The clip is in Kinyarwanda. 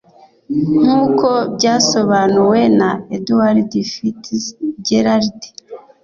nkuko byasobanuwe na Edward FitzGerald